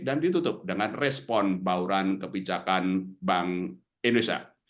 dan ditutup dengan respon bauran kebijakan bank indonesia